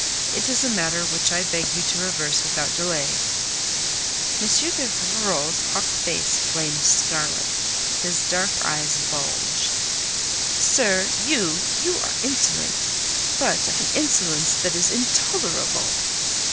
It is a matter which I beg you to reverse without delay." M. de Rivarol's hawk face flamed scarlet. His dark eyes bulged. "Sir, you... you are insolent! But of an insolence that is intolerable!"